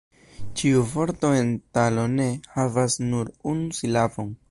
Ĉiu vorto en "Ta lo ne" havas nur unu silabon.